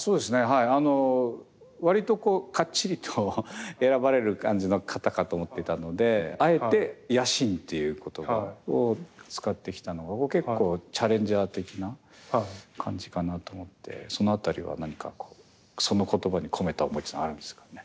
はいあの割とかっちりと選ばれる感じの方かと思っていたのであえて野心っていう言葉を使ってきたのは結構チャレンジャー的な感じかなと思ってその辺りは何かこうその言葉に込めた思いっていうのはあるんですかね。